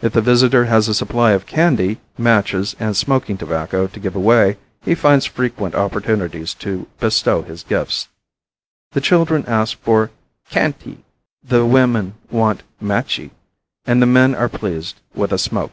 If the visitor has a supply of candy, matches and smoking tobacco to give away he finds frequent opportunities to bestow his gifts. The children ask for "canty," the women want "matchi," and the men are pleased with a "smoke."